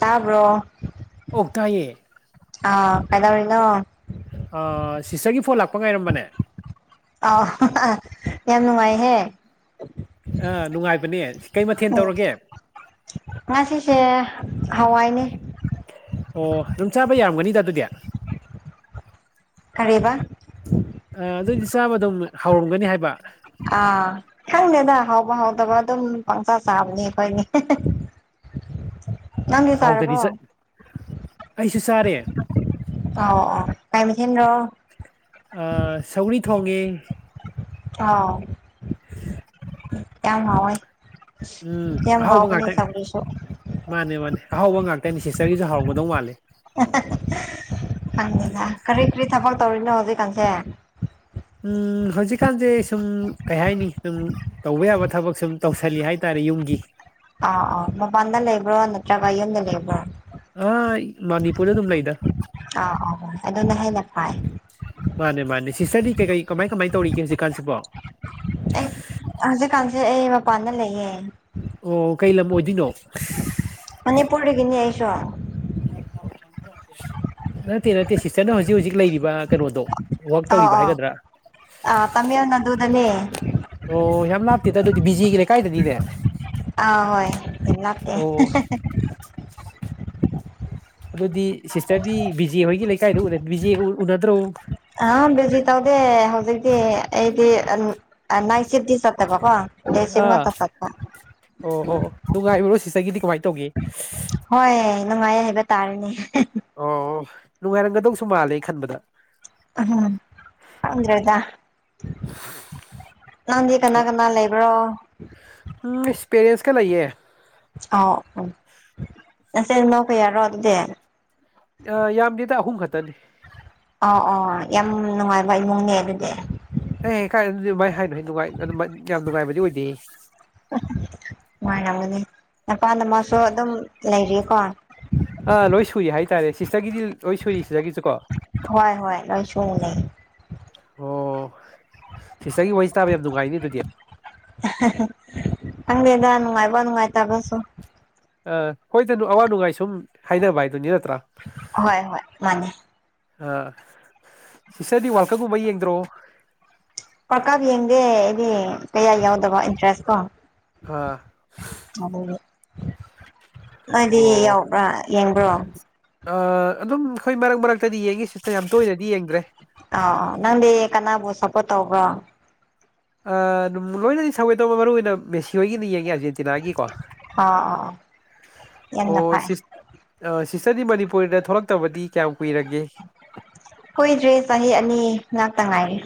ꯇꯥꯕ꯭ꯔꯣ ꯑꯣ ꯇꯥꯢꯌꯦ ꯑꯥ ꯀꯩꯗꯧꯔꯤꯅꯣ ꯑ ꯁꯤꯁꯇꯒꯤ ꯐꯣꯟ ꯂꯥꯛꯄ ꯉꯥꯏꯔꯝꯕꯅꯦ ꯑ ꯌꯥꯝ ꯅꯨꯡꯉꯥꯏꯍꯦ ꯑꯥ ꯅꯨꯡꯉꯥꯏꯕꯅꯦ ꯀꯩ ꯃꯊꯦꯜ ꯑꯣ ꯇꯧꯔꯒꯦ ꯉꯁꯤꯁꯦ ꯍꯋꯥꯏꯅꯦ ꯑꯣ ꯑꯗꯨꯝ ꯆꯥꯕ ꯌꯥꯝꯒꯅꯤꯗ ꯑꯗꯨꯗꯤ ꯑ ꯀꯔꯤꯕ ꯑꯗꯨꯏꯗꯤ ꯆꯥꯕ ꯑꯗꯨꯝ ꯍꯧꯔꯝꯒꯅꯤ ꯍꯥꯏꯕ ꯑꯥ ꯈꯪꯗ ꯍꯥꯎꯕ ꯍꯥꯎꯗꯕ ꯑꯗꯨꯝ ꯄꯪꯁꯥ ꯆꯥꯕꯅꯤ ꯑꯩꯈꯣꯏꯅꯤ ꯅꯪꯒꯤ ꯀꯥꯔꯕꯣ ꯀꯩꯁ ꯑꯣ ꯑꯣ ꯀꯥꯏ ꯑ ꯁꯧꯔꯤ ꯊ ꯍꯣꯡꯒꯦ ꯑꯥꯎ ꯌꯥꯝ ꯍꯥꯎꯏ ꯎꯝ ꯍꯥꯎꯕ ꯉꯇ ꯃꯥꯅꯦ ꯃꯥꯅꯦ ꯑꯍꯧꯕ ꯉꯥꯛꯇꯅꯤ ꯁꯤꯁꯇꯔꯒꯤꯁꯨ ꯍꯔꯒꯗꯧ ꯃꯥꯜꯂꯦ ꯀꯔꯤ ꯀꯔꯤ ꯊꯕꯛ ꯇꯧꯔꯤꯅꯣ ꯍꯧꯖꯤꯛꯀꯥꯟꯁꯦ ꯎꯝ ꯍꯧꯖꯤꯛꯀꯥꯟꯁꯦ ꯁꯨꯝ ꯀꯩ ꯍꯥꯏꯅꯤ ꯁꯨꯝ ꯇꯧꯕ ꯌꯥꯕ ꯊꯕꯛ ꯁꯨꯝ ꯇꯧꯁꯜꯂꯤ ꯍꯥꯏꯇꯥꯔꯦ ꯌꯨꯝꯒꯤ ꯑ ꯑ ꯃꯄꯥꯟꯗ ꯂꯩꯕ꯭ꯔꯣ ꯅꯠꯇ꯭ꯔꯒ ꯌꯨꯝꯗ ꯂꯩꯕ꯭ꯔꯣ ꯑꯥ ꯃꯅꯤꯄꯨꯔꯗ ꯑꯗꯨꯝ ꯂꯩꯗ ꯑꯥ ꯑꯥ ꯑꯗꯨꯅ ꯍꯦꯟꯅ ꯐꯩ ꯃꯥꯅꯦ ꯃꯥꯅꯦ ꯁꯤꯁꯇꯔꯗꯤ ꯀꯩ ꯀꯩ ꯀꯃꯥꯏ ꯀꯃꯥꯏ ꯇꯧꯔꯤꯒꯦ ꯍꯧꯖꯤꯛꯀꯥꯟꯁꯤꯕꯣ ꯑꯩ ꯍꯧꯖꯤꯛꯀꯥꯟꯁꯦ ꯑꯩ ꯃꯄꯥꯟꯗ ꯂꯩꯌꯦ ꯑꯣ ꯀꯩ ꯂꯝ ꯑꯣꯏꯗꯣꯏꯅꯣ ꯆ ꯅꯠꯇꯦ ꯅꯠꯇꯦ ꯁꯤꯁꯇꯔꯅ ꯍꯧꯖꯤꯛ ꯍꯧꯖꯤꯛ ꯂꯩꯔꯤꯕ ꯀꯩꯅꯣꯗꯣ ꯋꯛ ꯇꯧꯔꯤꯕ ꯑꯧ ꯍꯥꯏꯒꯗ꯭ꯔꯥ ꯑꯥ ꯇꯥꯃꯤꯜ ꯅꯥꯗꯨꯗꯅꯦ ꯑꯣ ꯌꯥꯝ ꯂꯥꯞ ꯇꯗ ꯑꯗꯨꯗꯤꯖꯤꯒ꯭ꯔꯦ ꯀꯥꯏꯗꯦꯅꯤꯗꯦ ꯑ ꯍꯣꯏ ꯍꯟꯅ ꯑꯣ ꯑꯗꯨꯗꯤ ꯁꯤꯁꯇꯔꯗꯤ ꯕꯤ ꯖꯦ ꯍꯣꯏꯒꯤ ꯂꯩꯀꯥꯏꯗ ꯕꯤ ꯖꯦ ꯎꯅꯗ꯭ꯔꯣ ꯑ ꯖꯤ ꯇꯥꯎꯗꯦ ꯍꯧꯖꯤꯛꯇꯤ ꯑꯩꯗꯤ ꯑ ꯅꯥꯢꯠ ꯁꯤꯞꯇꯤ ꯆꯠꯇꯦꯕꯀꯣ ꯕꯣ ꯗꯁ ꯃ ꯑꯥ ꯇꯁ ꯑꯣ ꯑꯣ ꯅꯨꯡꯉꯥꯏꯔꯨꯔꯣ ꯁꯤꯒꯤꯗꯤ ꯀꯃꯥꯏꯅ ꯇꯧꯒꯦ ꯅꯨꯡꯉꯥꯏ ꯍꯥꯏꯕ ꯇꯥꯔꯅꯦ ꯑꯣ ꯑꯣ ꯅꯨꯡꯉꯥꯏꯔꯝꯒꯗꯧꯁꯨ ꯃꯥꯜꯂꯦ ꯈꯟꯕꯗ ꯎꯝ ꯑꯗꯨꯗ꯭ꯔꯦꯗ ꯅꯪꯗꯤ ꯀꯅꯥ ꯀꯅꯥ ꯂꯩꯕ꯭ꯔꯣ ꯆ ꯂꯩꯌꯦ ꯑ ꯑꯣ ꯑꯁꯦ ꯅꯣ ꯀꯦꯔꯣ ꯑꯗꯨꯗꯦ ꯑ ꯌꯥꯝꯗꯤꯗ ꯑꯍꯨꯝ ꯈꯛꯇꯅꯤ ꯑ ꯑꯣ ꯌꯥꯝ ꯅꯨꯡꯉꯥꯏꯕ ꯏꯃꯨꯡꯅꯦ ꯑꯗꯨꯗꯤ ꯑꯦ ꯀꯥꯏ ꯑꯗꯨꯗꯤ ꯃꯥꯏ ꯍꯥꯏꯅꯨꯉꯥꯏ ꯌꯥꯝ ꯅꯨꯡꯉꯥꯏꯕꯗꯤ ꯑꯣꯏꯗꯦ ꯔꯝꯒꯅꯤ ꯃꯄꯥꯥꯟꯗ ꯑꯃꯁꯁꯨ ꯑꯗꯨꯝ ꯂꯩꯔꯤꯌꯦꯀꯣ ꯑꯥ ꯂꯣꯏ ꯁꯨꯏ ꯍꯥꯏꯇꯥꯔꯦ ꯁꯤꯇꯒꯤꯗꯤ ꯂꯣꯏ ꯁꯨꯔꯤ ꯁꯤꯗꯒꯤꯁꯨꯀꯣ ꯍꯣꯏ ꯍꯣꯏ ꯂꯣꯏ ꯁꯨꯅ ꯂꯩ ꯑꯣ ꯁꯤꯁꯇꯔꯒꯤ ꯋꯥꯔꯤꯍ ꯇꯥꯕ ꯌꯥꯝ ꯅꯨꯡꯉꯥꯏꯅꯤ ꯑꯗꯨꯗꯤ ꯑꯪꯦꯗ ꯅꯨꯡꯉꯥꯏꯕ ꯅꯨꯡꯉꯥꯏ ꯇꯕꯁꯨ ꯑ ꯍꯣꯏꯗꯅꯨ ꯑꯋꯥ ꯅꯨꯡꯉꯥꯏ ꯁꯨꯝ ꯍꯥꯏꯅꯕ ꯍꯥꯏꯗꯨꯅꯤ ꯅ ꯍꯣꯏ ꯍꯣꯏ ꯃꯥꯅꯦ ꯑ ꯁꯤꯇꯔꯗꯤ ꯋꯥꯔꯜ ꯀꯞꯀꯨꯝꯕ ꯌꯦꯡꯗ꯭ꯔꯣ ꯄꯀꯥꯕꯤ ꯌꯦꯡꯦ ꯏꯗꯤ ꯀꯌꯥ ꯌꯥꯎꯗꯕ ꯏꯟꯇꯔꯦꯁ ꯀꯣ ꯑ ꯑꯗꯨ ꯅꯗꯤ ꯑꯣ ꯌꯥꯎꯕ꯭ꯔꯥ ꯌꯦꯡꯕ꯭ꯔꯣ ꯑ ꯑꯗꯨꯝ ꯑꯩꯈꯣꯏ ꯃꯔꯛ ꯃꯔꯛꯇꯗꯤ ꯌꯦꯡꯉꯁꯤꯇ ꯌꯥꯝ ꯇꯣꯏꯅꯗꯤ ꯌꯦꯡꯗ꯭ꯔꯦ ꯑ ꯅꯪꯗꯤ ꯀꯅꯥꯕꯨ ꯁꯞꯄꯣꯔꯠ ꯇꯧꯕ꯭ꯔꯣ ꯑꯗꯨꯝ ꯂꯣꯏꯅꯗꯤ ꯁꯧꯒꯦ ꯇꯧꯕ ꯃꯔꯨꯏ ꯑꯣꯏꯅ ꯃꯦꯁꯤ ꯍꯣꯏꯒꯤꯅ ꯌꯦꯡꯒꯦ ꯍꯧꯖꯤꯗꯤ ꯇꯅꯥꯒꯤ ꯀꯣ ꯑꯣ ꯑꯣ ꯑꯣ ꯌꯥꯝꯅ ꯐꯩ ꯁꯤ ꯁꯤꯁꯇꯔꯗꯤ ꯃꯅꯤꯄꯨꯔꯔꯤꯗ ꯊꯣꯛꯂꯛꯇꯕꯗꯤ ꯀꯌꯥꯝ ꯀꯨꯏꯔꯒꯦ ꯀꯨꯏꯗ꯭ꯔꯦ ꯆꯍꯤ ꯑꯅꯤ ꯉꯥꯛꯇ ꯉꯥꯏꯔꯤꯦ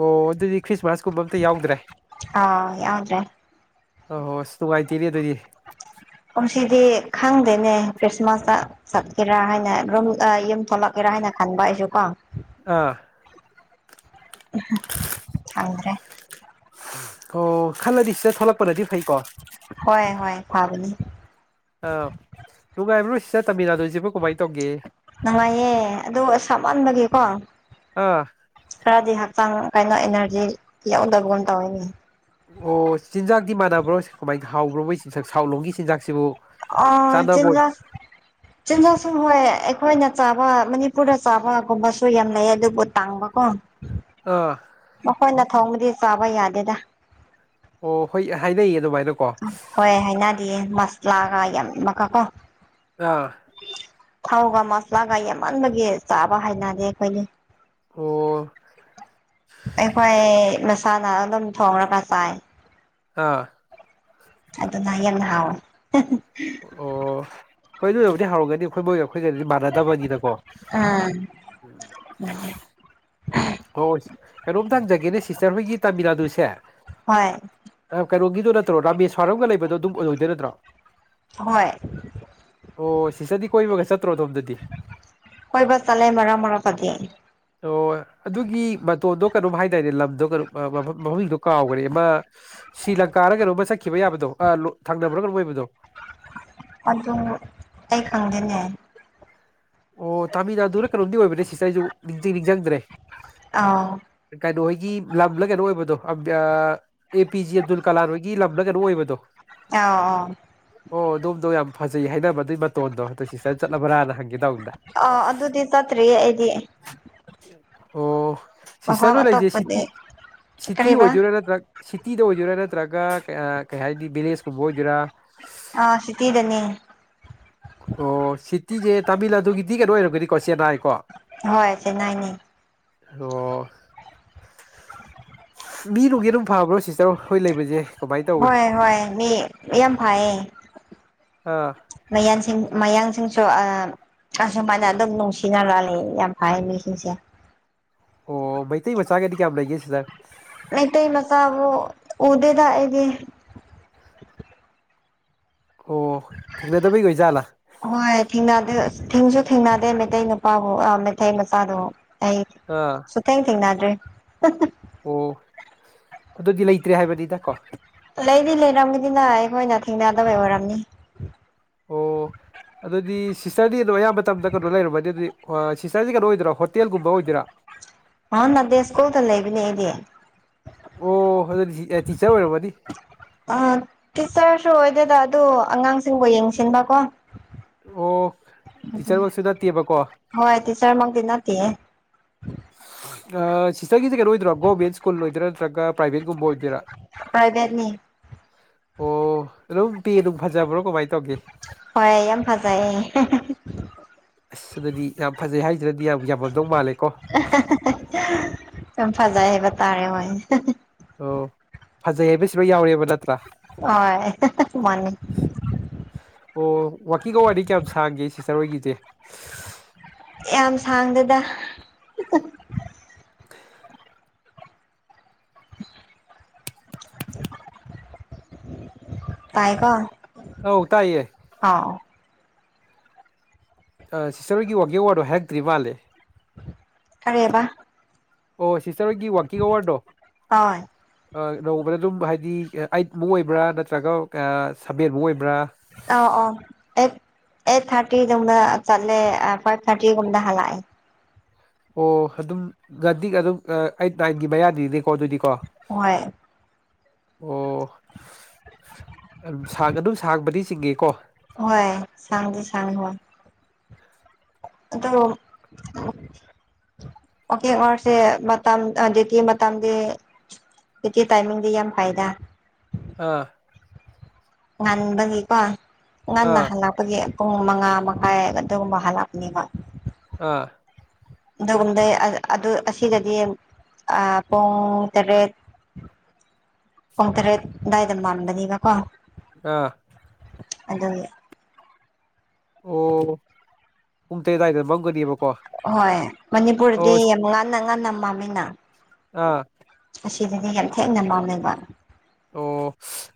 ꯑꯣ ꯑꯗꯨꯗꯤ ꯈ꯭ꯔꯤꯁꯃꯥꯁꯀꯨꯝꯕ ꯑꯝꯇ ꯌꯥꯎꯗ꯭ꯔꯦ ꯑꯥ ꯌꯥꯎꯗ꯭ꯔꯦ ꯑ ꯍꯣ ꯑꯁ ꯇꯅꯨꯡꯉꯥꯏꯇꯔꯤ ꯑꯗꯨꯗꯤ ꯀꯨꯝ ꯁꯤꯗꯤ ꯈꯪꯗꯦꯅꯦ ꯈ꯭ꯔꯤꯁꯃꯥꯁꯇ ꯆꯠꯀꯦꯔꯥ ꯍꯥꯏꯅꯨꯝ ꯊꯣꯛꯂꯛꯀꯦꯔꯥ ꯍꯥꯏꯅ ꯈꯟꯕ ꯑꯩꯁꯨ ꯀꯣ ꯑꯥ ꯎ ꯑꯗꯨꯗ꯭ꯔꯦ ꯑꯣ ꯈꯜꯂꯗꯤ ꯁꯤꯗ ꯊꯣꯛꯂꯛꯄꯅꯗꯤ ꯐꯩꯀꯣ ꯍꯣꯏ ꯍꯣꯏ ꯐꯥꯕꯅꯤ ꯁꯤ ꯇꯃꯤ ꯅꯥꯗꯨꯣꯏꯁꯤꯕꯨ ꯀꯃꯥꯏꯅ ꯇꯧꯒꯦ ꯅꯨꯡꯉꯥꯏꯌꯦ ꯑꯗꯨ ꯑꯁꯞꯃꯟꯕꯒꯤꯀꯣ ꯑꯥ ꯈꯔꯗꯤ ꯍꯛꯆꯥꯡ ꯀꯥꯏꯩꯅꯣ ꯑꯦꯅꯔꯖꯤ ꯌꯥꯎꯗꯕꯅ ꯇꯧꯋꯤꯅꯦ ꯑꯣ ꯆꯤꯟꯖꯥꯛꯇꯤ ꯃꯥꯟꯅꯕ꯭ꯔꯣ ꯀꯃꯥꯏꯅ ꯍꯥꯎꯕ꯭ꯔꯣ ꯃꯣꯏ ꯆꯖꯥꯛ ꯁꯥꯎꯂꯣꯝꯒꯤ ꯆꯤꯟꯖꯥꯛꯁꯤꯕꯨ ꯑ ꯆꯥꯟꯅꯕ ꯆꯤꯟꯖꯥꯛ ꯆꯤꯟꯖꯥꯛꯁꯨ ꯍꯣꯏ ꯑꯩꯈꯣꯏꯅ ꯆꯥꯕ ꯃꯅꯤꯄꯨꯔꯗ ꯆꯥꯕꯒꯨꯝꯕꯁꯨ ꯌꯥꯝ ꯂꯩ ꯑꯗꯨꯕꯨ ꯇꯥꯡꯕꯀꯣ ꯑ ꯃꯈꯣꯏꯅ ꯊꯣꯡꯕꯗꯤ ꯆꯥꯕ ꯌꯥꯗꯦꯗ ꯑꯣ ꯍꯣꯏ ꯍꯥꯏꯅꯩꯌꯦ ꯑꯗꯨꯃꯥꯏꯅ ꯍꯣꯏ ꯍꯥꯏꯅꯗꯤꯌꯦ ꯃꯁꯂꯥꯒ ꯌꯥꯝꯃꯀ ꯀꯣ ꯑꯥ ꯊꯥꯎꯒ ꯃꯁꯂꯥꯒ ꯌꯥꯝꯃꯟꯕꯒꯤ ꯆꯥꯕ ꯍꯥꯏꯅꯗꯦ ꯑꯩꯈꯣꯏꯅꯤ ꯑꯣ ꯑꯩ ꯐꯣꯏ ꯅꯁꯥ ꯅꯥ ꯑꯗꯨꯝ ꯊꯣꯡꯉꯒ ꯆꯥꯏ ꯑꯥ ꯑꯗꯨꯅ ꯌꯥꯝꯟꯅ ꯍꯑꯣ ꯑꯣ ꯍꯣꯏ ꯑꯗꯨꯕꯨꯗꯤ ꯍꯧꯔꯒꯗꯤ ꯑꯩꯈꯣꯏꯕꯣꯏ ꯑꯩꯈꯣꯏ ꯀꯔꯤꯗꯤ ꯃꯥꯟꯅꯗꯕꯅꯤꯅꯀꯣ ꯎ ꯑꯥ ꯍꯣꯏ ꯀꯩꯅꯣꯝꯇ ꯍꯪꯖꯒꯦꯅꯦ ꯁꯤꯁꯇꯔ ꯑꯩꯈꯣꯏꯒꯤ ꯇꯥꯃꯤꯜ ꯅꯥꯗꯨꯁꯦ ꯀꯩꯅꯣꯒꯤꯗꯣ ꯅꯠꯇ꯭ꯔꯣ ꯔꯥꯃꯦꯁ꯭ꯏꯔꯝꯒ ꯂꯩꯕꯗꯣ ꯑꯗꯨꯝ ꯑꯣꯏꯔꯣꯏꯗꯣꯏ ꯅꯠꯇ꯭ꯔꯣ ꯍꯣꯏ ꯑꯣ ꯁꯤꯁꯗꯤ ꯀꯣꯏꯕ ꯀ ꯆ ꯀꯣꯏꯕ ꯆꯠꯂꯦ ꯃꯔꯛ ꯃꯔꯛꯇꯗꯤ ꯑꯗꯨ ꯃꯇꯣꯟꯗꯣ ꯀꯩꯅꯣꯝ ꯍꯥꯏꯇꯥꯔꯅꯦ ꯂꯝꯗꯣ ꯀꯩꯅꯣ ꯃꯃꯤꯡꯗꯣ ꯀꯥꯎꯈ꯭ꯔꯦ ꯑꯃ ꯁꯤ꯭ꯔꯤ ꯂꯪꯀꯥꯗ ꯀꯩꯅꯣꯝꯃ ꯆꯠꯈꯤꯕ ꯌꯥꯕꯗꯣ ꯊꯥꯡꯅꯕ꯭ꯔꯥꯒ ꯂꯣꯏꯕꯗꯣ ꯑꯗꯨ ꯑꯩ ꯈꯪꯗꯦꯅꯦ ꯑꯣ ꯇꯥꯃꯤꯜ ꯅꯥꯗꯨꯅ ꯀꯩꯅꯣꯝꯗꯤ ꯑꯣꯏꯕꯅꯦ ꯁꯤꯗ ꯑꯩꯁꯨ ꯅꯤꯡꯁꯤꯡ ꯅꯤꯡꯁꯤꯡꯗ꯭ꯔꯦ ꯑꯥ ꯒꯤ ꯂꯝꯂ ꯀꯩꯅꯣ ꯑꯣꯏꯕꯗꯣ A P J Abdul Kalam ꯍꯣꯏꯒꯤ ꯂꯝꯂ ꯀꯩꯅꯣꯝ ꯑꯣꯏꯕꯗꯣ ꯑꯥ ꯑꯥ ꯑꯣ ꯑꯗꯣꯝꯗꯣ ꯌꯥꯝ ꯐꯖꯩ ꯍꯥꯏꯅꯕ ꯑꯗꯨꯏ ꯃꯇꯣꯟꯗꯣ ꯑꯗ ꯁꯤꯁꯇꫪ ꯆꯠꯂꯕ꯭ꯔꯥꯅ ꯍꯪꯉ ꯑ ꯑꯗꯨꯗꯤ ꯆꯠꯇ꯭ꯔꯤ ꯑꯩꯗꯤ ꯑꯣ ꯃꯐꯝ ꯁꯤꯁꯇꯁꯨ ꯂꯩꯖꯦ ꯁꯤꯇꯤ ꯑꯇꯣꯞꯄꯗꯤ ꯁꯤꯇꯤ ꯀꯔꯤꯕ ꯑꯣꯏꯗꯣꯏꯔꯥ ꯅꯠꯇ꯭ꯔꯥ ꯁꯤꯇꯤꯗ ꯑꯣꯏꯗꯣꯏꯔꯥ ꯅꯠꯇ꯭ꯔꯒ ꯀꯩ ꯍꯥꯏꯗꯤ ꯚꯤꯂꯦꯖꯀꯨꯝꯕ ꯑꯣꯏꯗꯣꯏꯔꯥ ꯑꯥ ꯁꯤꯇꯤꯗꯅꯤ ꯑꯣ ꯁꯤꯇꯤꯁꯦ ꯇꯥꯃꯤꯜ ꯅꯥꯗꯨꯒꯤꯗꯤ ꯀꯩꯅꯣ ꯑꯣꯏꯔꯝꯒꯅꯤꯀꯣ ꯆꯦꯟꯅꯥꯏ ꯀꯣ ꯍꯁꯦ ꯅꯥꯏ ꯅ ꯑꯣ ꯃꯤꯅꯒꯤ ꯑꯗꯨꯝ ꯐꯕ꯭ꯔꯣ ꯁꯤꯁꯇꯔ ꯍꯈꯣꯏ ꯂꯩꯕꯁꯦ ꯀꯃꯥꯏꯅ ꯇꯧꯏ ꯍꯣꯏ ꯍꯣꯏ ꯃꯤ ꯌꯥꯝ ꯐꯥꯏꯌꯦ ꯑꯥ ꯃꯌꯥꯟꯁꯤꯡ ꯃꯌꯥꯡꯁꯤꯡꯁꯨ ꯑ ꯑꯁꯨꯃꯥꯏꯅ ꯑꯗꯨꯝ ꯅꯨꯡꯁꯤꯅ ꯂꯂꯦ ꯌꯥꯝ ꯐꯩ ꯃꯤꯁꯤꯡꯁꯦ ꯑꯣ ꯃꯩꯇꯩ ꯃꯆꯥꯒꯗꯤ ꯀꯌꯥꯝ ꯂꯩꯒꯦ ꯁꯤꯗ ꯃꯇ ꯃꯈꯀꯕꯣ ꯑꯣꯗꯦꯗꯥꯛ ꯑꯦꯒꯤꯗꯤ ꯑꯣ ꯊꯦꯡꯅꯗꯕꯩ ꯑꯣꯏꯖꯥꯠꯂꯥ ꯍꯣꯏ ꯊꯗ ꯊꯁꯨ ꯊꯦꯡꯅꯗꯦ ꯃꯩꯇꯩ ꯅꯨꯄꯥꯕꯨ ꯃꯩꯇꯩ ꯃꯆꯥꯗꯨꯣ ꯑꯩ ꯑꯥ ꯁꯨꯊꯦꯡ ꯊꯦꯡꯅꯗ꯭ꯔꯤ ꯇ ꯑꯣ ꯑꯗꯨꯗꯤ ꯂꯩꯇ꯭ꯔꯦ ꯍꯥꯏꯕꯅꯤꯗ ꯀꯣ ꯑꯩꯗꯤ ꯂꯩꯔꯝꯒꯅꯤꯅ ꯑꯩꯈꯣꯏꯅ ꯊꯦꯡꯅꯗꯕꯩ ꯑꯣꯏꯔꯝꯅꯤ ꯑꯣ ꯑꯗꯨꯗꯤ ꯁꯤꯁꯇꯔꯗꯤ ꯑ ꯑꯗꯨꯣ ꯑꯌꯥꯝꯕ ꯃꯇꯝꯗ ꯀꯩꯅꯣ ꯂꯩꯔꯝꯃꯅꯤ ꯑꯗꯨꯗꯤ ꯁꯤꯁꯇꯔꯁꯤ ꯀꯩꯅꯣ ꯑꯣꯏꯗꯣꯏꯔꯥ ꯍꯣꯇꯦꯜꯒꯨꯝꯕ ꯑꯣꯏꯗꯣꯏꯔꯥ ꯍ ꯅꯗꯁ ꯀꯣ ꯂꯩꯕꯗꯤ ꯑꯣ ꯑꯗꯨꯗꯤ ꯇꯤꯆꯔ ꯑꯣꯏꯔꯕꯗꯤ ꯑ ꯇꯤꯆꯔꯁꯨ ꯑꯣꯏꯗꯦꯗ ꯑꯗꯨ ꯑꯉꯥꯡꯁꯤꯡꯕꯨ ꯌꯦꯡꯁꯤꯟꯕꯀꯣ ꯑꯣ ꯇꯤꯆꯔꯃꯛꯁꯨ ꯅꯠꯇꯦꯕꯀꯣ ꯍꯣꯏ ꯇꯆꯔ ꯃꯗꯤꯅ ꯇ ꯁꯤꯁꯇꯔꯒꯤꯦ ꯀꯩꯅꯣ ꯑꯣꯏꯗꯣꯏꯣ ꯒꯣꯔꯃꯦꯟ ꯁ꯭ꯀꯨꯜ ꯑꯣꯏꯗꯣꯏꯔ ꯅꯠꯇ꯭ꯔꯒ ꯄ꯭ꯔꯥꯏꯕꯦꯠꯀꯨꯝꯕ ꯑꯣꯏꯗꯣꯏꯔꯥ ꯄꯥꯏꯕꯠꯅꯤ ꯑꯣ ꯑꯗꯨꯝ ꯄꯤ ꯑꯗꯨꯅꯨꯡ ꯐꯖꯕ꯭ꯔꯣ ꯀꯃꯥꯏꯅ ꯇꯧꯒꯦ ꯍꯣꯏ ꯌꯥꯝ ꯐꯖꯥꯏ ꯑꯁꯗꯗꯤ ꯌꯥꯝ ꯐꯖꯩ ꯍꯥꯏꯖ꯭ꯔꯗꯤ ꯌꯥꯝ ꯌꯥꯝꯃꯝꯗꯧ ꯃꯥꯜꯂꯦ ꯁꯨꯝ ꯐꯖꯥꯏ ꯍꯥꯏꯕ ꯇꯥꯔꯦ ꯍꯣꯏ ꯑꯣ ꯐꯖꯩ ꯍꯥꯏꯕꯁꯤꯔꯣ ꯌꯥꯎꯔꯦꯕ ꯅꯠꯇ꯭ꯔꯥ ꯑꯣ ꯃ [inaudible] ꯑꯣ ꯋꯥꯀꯤꯒ ꯋꯥꯔꯤꯅꯤ ꯀꯌꯥ ꯁꯥꯡꯒꯦ ꯁꯤ ꯆꯔꯣꯏꯈꯤꯗꯦ ꯌꯥꯝ ꯁꯥꯡꯗꯗ [unintelligible] [inaudible] ꯇꯥꯏ ꯀꯣ ꯍꯧ ꯇꯥꯏꯌꯦ ꯁꯤꯁꯇꯔꯣꯏꯒꯤ ꯋꯥꯒꯦ ꯋꯥꯔꯗꯣ ꯍꯥꯏꯔꯛꯇ꯭ꯔꯤ ꯃꯥꯜꯂꯦ ꯀꯔꯦꯕ ꯑꯣ ꯁꯤꯁꯇꯔꯣꯏꯒꯤ ꯋꯀꯤꯡ ꯑꯋꯥꯔꯗꯣ ꯍꯣꯏ ꯅꯣꯡꯃꯗ ꯑꯗꯨꯝ ꯍꯥꯏꯗꯤ ꯑꯩꯠꯃꯨꯛ ꯑꯣꯏꯕ꯭ꯔꯥ ꯅꯠꯇ꯭ꯔꯒ ꯁꯚꯦꯟꯃꯨꯛ ꯑꯣꯏꯕ꯭ꯔꯥ ꯑ ꯑ ꯑꯦ [unintelligible] [inaudible] ꯑꯩꯠ ꯊꯥꯔꯇꯤꯗꯣꯝꯗ ꯆꯠꯂꯦ ꯐꯥꯏꯚ ꯊꯥꯔꯇꯤꯒꯨꯝꯗ ꯍꯜꯂꯑ ꯑꯣ ꯑꯗꯨꯝ ꯉꯗꯤꯛ ꯑꯗꯨꯝ ꯑꯩꯠ ꯅꯥꯏꯟꯒꯤ ꯃꯌꯥꯅꯤꯅꯦꯣ ꯀꯣ ꯑꯗꯨꯗꯤ ꯀꯣ ꯍꯣꯏ ꯑꯣ ꯑꯗꯨꯝ ꯁꯥꯡꯕꯗꯤ ꯆꯤꯡꯉꯦꯀꯣ ꯍꯣꯏ ꯁꯥꯡꯖ ꯁꯥꯡ ꯍꯣꯏ ꯑꯗꯨꯗ ꯑꯣꯀꯦ ꯋꯥꯔꯁꯦ ꯃꯥꯡ ꯗꯦꯇ ꯃꯇꯥꯡꯗ ꯗꯤꯤ ꯇꯥꯏꯃꯤꯡꯗꯒꯤ ꯌꯥꯝ ꯐꯥꯏꯅ ꯑꯥ [unintelligible] [inaudible] ꯉꯟꯕꯒꯤꯀꯣ ꯉꯟꯅ ꯑꯥ ꯍꯜꯂꯛꯄꯒꯤ ꯄꯨꯡ ꯃꯉꯥ ꯃꯈꯥꯏ ꯑꯗꯨꯒꯨꯝꯕ ꯍꯜꯂꯛꯄꯅꯦꯕ ꯑꯥ ꯑꯗꯨꯒꯨꯝꯗꯩ ꯑꯗꯨ ꯑꯁꯤꯗꯗꯤ ꯄꯨꯡ ꯇꯔꯦꯠ ꯎꯝ [unintelligible] [inaudible] ꯄꯨꯡ ꯇꯔꯦꯠ ꯑꯗꯨꯗꯥꯋꯥꯏꯗ ꯃꯥꯟꯕꯅꯤꯒ ꯀꯣ ꯑꯥ [unintelligible] [inaudible] ꯑꯗꯨ ꯑꯣ ꯎꯇꯗꯗꯅ ꯃꯪꯅꯤ ꯏꯕ ꯍꯣꯏ ꯃꯅꯤꯄꯨꯔꯗꯤ ꯌꯥꯝ ꯉꯟꯅ ꯉꯟꯅ ꯃꯥꯃꯤꯅ ꯑꯥ [inaudible] ꯑꯁꯤꯗꯗꯤ ꯌꯥꯝ ꯊꯦꯡꯅ ꯃꯥꯡꯅꯕ ꯑꯣ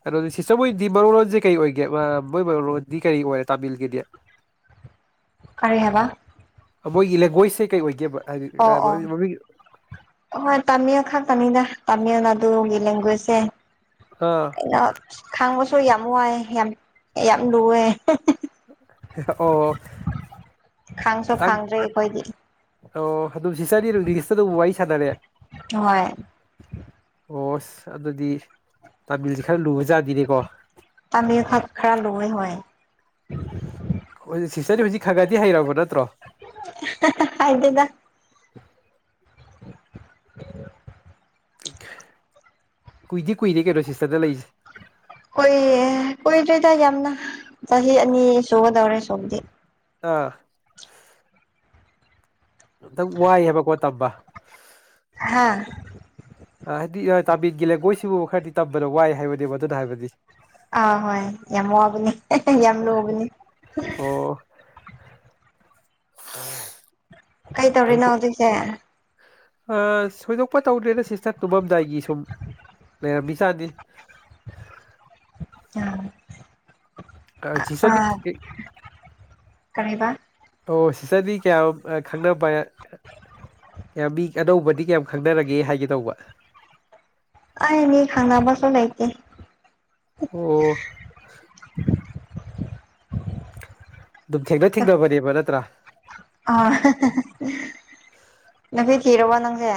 ꯑꯗꯨꯣꯗꯤ ꯁꯤꯁꯇꯔ ꯃꯣꯏꯗꯤ ꯃꯔꯣꯔꯣꯟꯁꯦ ꯀꯔꯤ ꯑꯣꯏꯒꯦ ꯃꯣꯏ ꯃꯔꯨꯔꯣꯟꯗꯤ ꯀꯔꯤ ꯑꯣꯏꯔꯦ ꯇꯥꯃꯤꯜꯒꯤꯗꯤ ꯑ [unintelligible] [inaudible] [unintelligible] [inaudible] ꯀꯔꯤ ꯍꯥꯏꯕ ꯃꯣꯏꯒꯤ ꯂꯦꯡꯒ꯭ꯋꯦꯖꯁꯦ ꯀꯩ ꯑꯣꯏꯒꯦꯕ ꯍꯥꯏꯗꯤ ꯑꯣ ꯃꯃꯤꯡ ꯑꯣ ꯍ ꯇꯝ ꯑꯈꯥ ꯇꯅꯥ ꯇ [inaudible] ꯇꯥꯃꯤꯜ ꯅꯥꯗꯨꯒꯤ ꯂꯦꯡꯒ꯭ꯋꯦꯖꯁꯦ ꯑꯥ ꯑꯩꯅ ꯈꯥꯡꯕꯁꯨ ꯌꯥꯝ ꯋꯥꯏ ꯌꯥꯝ ꯌꯥꯝ ꯂꯨꯑꯦ ꯑꯣ ꯈꯪꯁꯨ ꯈꯤꯇꯪ ꯈꯥꯡꯗ꯭ꯔꯦ ꯑꯩꯈꯣꯏꯗꯤ [inaudible] ꯑꯣ ꯑꯗꯨꯝ ꯁꯤ ꯆꯔꯅꯤ ꯑꯗꯨ ꯏꯪꯂꯤꯁꯇ ꯑꯗꯨꯝ ꯋꯥꯔꯤ ꯁꯥꯟꯅꯔꯦ ꯍꯣꯏ ꯑꯣ ꯑꯗꯨꯗꯤ ꯇꯥꯕꯤꯜꯗꯤ ꯈꯔ ꯂꯨ ꯇꯥꯕꯤ ꯈ ꯈꯦꯔ ꯂꯣꯏꯋꯦ ꯍ ꯁꯤꯁꯇꯔ ꯍꯧꯖꯤꯛ ꯈꯔ ꯈꯗꯤ ꯍꯩꯔꯕ ꯅꯠꯇ꯭ꯔꯣ ꯍꯥꯏꯗꯗ [unintelligible] [inaudible] ꯀꯨꯏꯗꯦ ꯀꯨꯏꯗꯦ ꯀꯩꯅꯣ ꯁꯤꯁꯇꯔꯗ ꯂꯩꯁꯦ ꯎ [unintelligible] [inaudible] ꯀꯨꯏ ꯀꯨꯏꯗꯣꯏꯗ ꯌꯥꯝꯅ ꯆꯍꯤ ꯑꯅꯤ ꯁꯨꯒꯗꯧꯔꯦ ꯁꯨꯗꯤ ꯑꯥ ꯑꯝꯇꯪ ꯋꯥꯏꯑꯦꯕꯀꯣ ꯇꯝꯕ ꯍꯥꯥ ꯍꯥꯏꯗꯤ ꯇꯥꯕꯤꯒꯤ ꯂꯩꯒꯣꯏꯁꯤꯕꯨ ꯈꯔꯗꯤ ꯇꯝꯕꯗ ꯋꯥꯏ ꯍꯥꯏꯕꯅꯦꯕ ꯑꯗꯨꯅ ꯍꯥꯏꯕꯗꯤ ꯑꯥ ꯍꯣꯏ ꯌꯥꯝꯃꯃꯛꯑꯕꯅꯤ ꯌꯥꯝ ꯂꯨꯕꯅꯤ ꯑꯥ ꯀꯩ ꯇꯧꯔꯤꯅꯣ ꯍꯧꯖꯤꯛꯁꯦ ꯁꯣꯏꯗꯣꯛꯄ ꯇꯧꯗ꯭ꯔꯦꯅ ꯁꯤꯁꯇꯔ ꯇꯨꯝꯃꯝꯗꯥꯏꯒꯤ ꯁꯨꯝ ꯂꯩꯔꯝꯃꯤꯁ ꯆꯗꯤ ꯑꯝ ꯀꯁꯤ ꯁꯗꯤ ꯀꯔꯤꯕ ꯑꯣ ꯁꯤꯇꯔꯗꯤ ꯀꯌꯥꯝ ꯈꯪꯅꯕ ꯀꯌꯥꯝ ꯃꯤ ꯑꯅꯧꯕꯗꯤ ꯀꯌꯥꯝ ꯈꯪꯅꯔꯒꯦ ꯍꯥꯏꯒꯦ ꯇꯧꯕ ꯑꯅꯦ ꯈꯉꯕ ꯆ ꯂꯩꯀꯦ ꯑꯣ ꯑꯗꯨꯝ ꯊꯦꯡꯅ ꯊꯦꯡꯅꯕꯅꯦꯕ ꯅꯠꯇ꯭ꯔꯥ ꯑ ꯅꯈꯦ ꯀ ꯔꯕ ꯅꯪꯁꯦ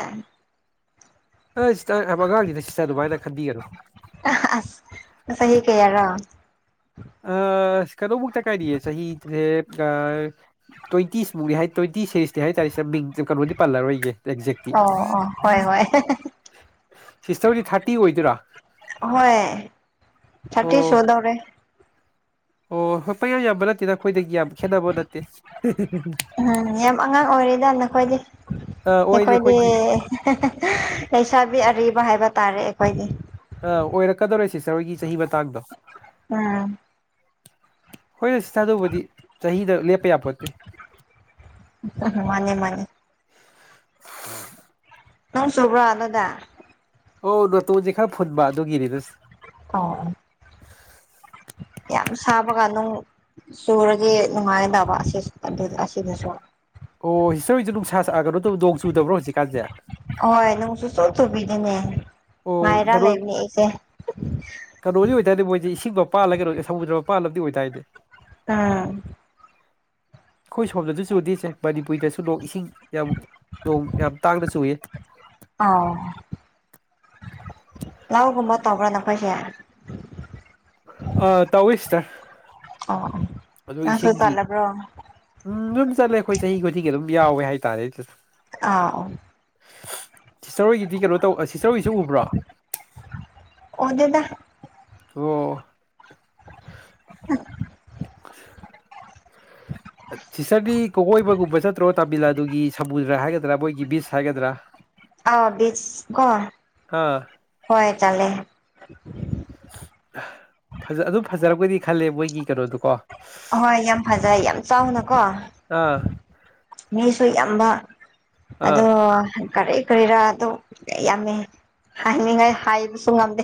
ꯑ ꯍꯥꯏ ꯑꯉꯥꯡꯅꯤꯅ ꯁꯤꯇ ꯑꯗꯨꯚꯥꯏꯅ ꯈꯟꯕꯤꯒꯅꯨ ꯑꯁ ꯆꯍꯤ ꯀꯌꯥꯔꯣ ꯑ ꯀꯔꯣꯕꯨꯛꯇ ꯀꯥꯏꯔꯤꯌꯦ ꯁꯍꯤꯁꯦ ꯇ꯭ꯋꯦꯟꯇꯤꯁꯃꯨꯛꯅꯤ ꯍꯥꯏ ꯇ꯭ꯋꯦꯟꯇꯤ ꯁꯦꯔꯤꯁꯇꯤ ꯍꯥꯏꯇꯥꯥꯔꯦ ꯁ ꯃꯤꯡꯁ ꯀꯩꯅꯣꯗꯤ ꯄꯜꯂꯔꯣꯏꯒꯦ ꯑꯦꯛꯖꯦ ꯑꯣ ꯑꯣ ꯍꯣꯏ ꯍꯣꯏ ꯁꯤꯁꯇꯔꯗꯤ ꯊꯥꯔꯇꯤ ꯑꯣꯏꯗꯣꯏꯔꯥ ꯍꯣꯏ ꯁꯥꯇꯤ ꯑꯣ ꯁꯣꯗꯧꯔꯦ ꯑꯣ ꯍ ꯄꯩꯌꯥꯖꯤꯕꯂꯥꯤꯗ ꯑꯩꯈꯣꯏꯗꯒꯤ ꯌꯥꯝ ꯈꯦꯠꯅꯕ ꯅꯠꯇꯦ ꯎꯝ ꯌꯥꯝ ꯑꯉꯥꯡ ꯑꯣꯏꯔꯤꯗ ꯅꯈꯣꯏꯗꯤ ꯑ ꯑꯣꯏꯔꯦ ꯑꯩꯈꯣꯏꯗꯤ ꯂꯩꯁꯥꯕꯤ ꯑꯔꯤꯕ ꯍꯥꯏꯕ ꯇꯥꯔꯦ ꯑꯩꯈꯣꯏꯗꯤ ꯑ ꯑꯣꯏꯔꯛꯀꯗꯧꯔꯦ ꯁꯤꯇꯔ ꯍꯣꯏꯒꯤ ꯆꯍꯤ ꯃꯇꯥꯡꯗꯣ ꯎꯝ ꯍꯣꯏ ꯑꯗꯨ ꯁꯤ ꯊꯥꯗꯧꯕꯗꯤ ꯆꯍꯤꯗ ꯂꯦꯞꯄ ꯌꯥꯄꯣꯠꯇꯦ ꯃꯥꯅꯦ ꯃꯥꯅꯦ ꯑ ꯅꯪ ꯁꯣꯕ꯭ꯔꯣ ꯑꯅꯗ ꯑꯣ ꯅꯇꯣꯟꯁꯦ ꯈꯔ ꯐꯨꯟꯕ ꯑꯗꯨꯒꯤꯅꯤꯗ ꯑꯣ ꯌꯥꯝ ꯁꯥꯕ ꯀꯥꯟꯗꯅꯨꯡ ꯁꯨꯔꯒꯤ ꯅꯨꯡꯉꯥꯏꯗꯕ ꯑꯁꯤꯅꯁꯨ ꯑꯣ ꯍꯤꯁꯇꯔꯤꯁꯨ ꯅꯨꯡꯁꯥ ꯁꯛꯒꯅꯣ ꯇꯧ ꯅꯣꯡ ꯆꯨꯗꯕ꯭ꯔꯣ ꯍꯧꯖꯤꯛꯀꯥꯟꯁꯦ ꯍꯣꯏ ꯅꯪꯁꯨ ꯁ ꯁꯨꯕꯤꯗꯤꯅꯦ ꯑꯣ ꯉꯥꯏꯔꯥ ꯀꯩꯅꯣ ꯂꯩꯕꯅꯦ ꯑꯩꯁꯦ ꯁꯤꯗꯤ ꯃꯣꯏꯁꯦ ꯏꯁꯤꯡꯒꯣ ꯄꯥꯜꯂꯒ ꯁꯃꯨꯗ꯭ꯔꯗ ꯄꯥꯜꯂꯕꯗꯤ ꯑꯣꯏꯇꯥꯏꯅꯦ ꯎꯝ ꯑꯩꯈꯣꯏ ꯁꯣꯝꯗꯁꯨ ꯆꯨꯗꯦꯁꯦ ꯃꯅꯤꯄꯨꯔꯤꯗꯁꯨ ꯏꯁꯤꯡ ꯌꯥꯝ ꯅꯣꯡ ꯌꯥꯝ ꯇꯥꯡꯗꯁꯨ ꯎꯏ ꯑ ꯂꯧꯒꯨꯝꯕ ꯇꯧꯕ꯭ꯔꯥ ꯅꯈꯣꯏꯁꯦ ꯑ ꯇꯧ ꯏꯁ ꯑꯣ ꯑꯗꯨꯒ ꯅꯪꯁꯨ ꯏꯁꯤꯡꯒꯤ ꯆꯠꯂꯕ꯭ꯔꯣ ꯎꯝ ꯑꯗꯨꯝ ꯆꯠꯂꯦ ꯑꯩꯈꯣꯏ ꯆꯍꯤ ꯈꯨꯗꯤꯡꯒꯤ ꯑꯗꯨꯝ ꯌꯥꯎꯋꯦ ꯍꯥꯏꯇꯥꯔꯦ ꯁꯤꯁꯨ ꯑꯥ ꯁꯤꯁꯇꯔ ꯍꯣꯏꯒꯤꯗꯤ ꯀꯩꯅꯣ ꯇꯧꯕ ꯁꯤꯁꯇꯔ ꯍꯣꯏꯒꯤꯁꯨ ꯎꯕ꯭ꯔꯣ ꯃꯖꯦꯗ ꯇ [unintelligible] ꯍ ꯁꯤꯁꯇꯔꯗꯤ ꯀꯣꯀꯣꯏꯕꯒꯨꯝꯕ ꯆꯠꯇ꯭ꯔꯣ ꯇꯥꯃꯤꯜ ꯅꯥꯗꯨꯒꯤ ꯁꯃꯨꯗ꯭ꯔ ꯍꯥꯏꯒꯗ꯭ꯔꯥ ꯃꯣꯏꯒꯤ ꯕꯤꯁ ꯍꯥꯏꯒꯗ꯭ꯔꯥ ꯑ ꯕꯤꯁ ꯀ ꯑꯥ ꯍꯣꯏ ꯇꯂꯦ ꯖ ꯑꯗꯨꯝ ꯐꯖꯔꯛꯄꯗꯤ ꯈꯜꯂꯦ ꯃꯣꯏꯒꯤ ꯀꯩꯅꯣꯗꯨꯀꯣ ꯍꯣꯏ ꯌꯥꯝ ꯐꯖꯩ ꯌꯥꯝ ꯆꯥꯎꯅꯀꯣ ꯑꯥ ꯃꯤꯁꯨ ꯌꯥꯝ ꯕ ꯑꯥ ꯑꯗꯣ ꯀꯔꯤ ꯀꯔꯤꯔꯥ ꯑꯗꯨ ꯌꯥꯝꯃꯤ ꯍꯥꯏꯅꯤꯡꯉꯥꯏ ꯍꯥꯏꯕꯁꯨ ꯉꯝꯗꯦ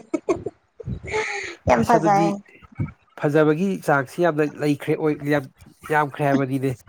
ꯌꯥꯝ ꯑꯁ ꯑꯗꯨꯗꯤ ꯐꯖꯩ ꯐꯖꯕꯒꯤ ꯆꯥꯡꯁꯤ ꯌꯥꯝꯅ ꯂꯩꯈ꯭ꯔꯦ ꯑꯣꯏ ꯌꯥꯝ ꯌꯥꯝꯈ꯭ꯔꯦꯕꯒꯤꯗꯤ